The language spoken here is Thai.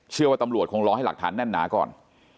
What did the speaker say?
เชื่อว่าตำรวจคงรอให้หลักฐานแน่นหนาก่อน